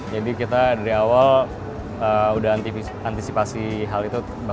jadi kita dari awal udah antisipasi hal itu